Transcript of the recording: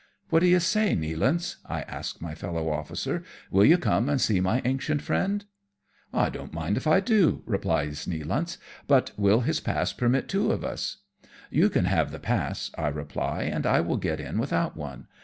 " What do you say, Nealance ?" I ask ray fellow ofBcer, " will you come and see my ancient friend ?■"" I don't mind if I do/' replies Nealance ;" but will his pass admit two of us ?"" You can have the pass," I reply, " and I will get in without one.